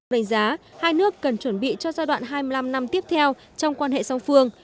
đánh giá hai nước cần chuẩn bị cho giai đoạn hai mươi năm năm tiếp theo trong quan hệ song phương